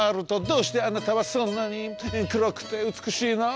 どうしてあなたはそんなにくろくてうつくしいの？